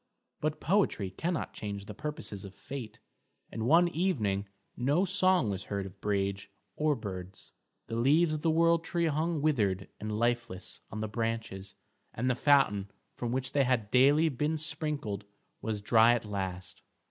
But poetry cannot change the purposes of fate, and one evening no song was heard of Brage or birds, the leaves of the world tree hung withered and lifeless on the branches, and the fountain from which they had daily been sprinkled was dry at last.